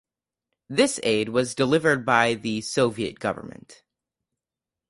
This aid was delivered by the Soviet government.